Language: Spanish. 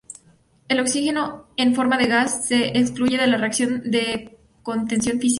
El oxígeno en forma de gas se excluye de la reacción por contención física.